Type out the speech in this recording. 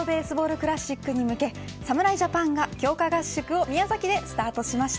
クラシックに向け侍ジャパンが、強化合宿を宮崎でスタートしました。